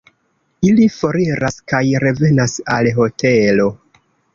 Ili foriras kaj revenas al hotelo.